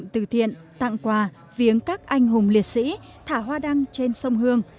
các vị thầy đã tự thiện tặng quà viếng các anh hùng liệt sĩ thả hoa đăng trên sông hương